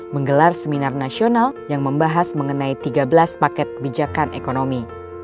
menggelar seminar nasional yang membahas mengenai tiga belas paket kebijakan ekonomi